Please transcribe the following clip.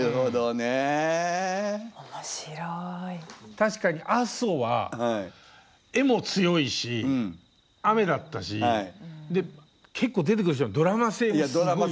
確かに阿蘇は絵も強いし雨だったしで結構出てくる人はドラマ性がすごい強かったですよね。